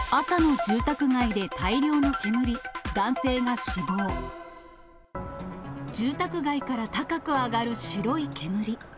住宅街から高く上がる白い煙。